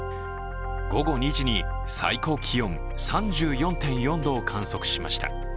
午後２時に最高気温３４．４度を観測しました。